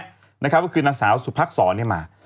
ว่าคือนางสาวสุภักษ์ศรมา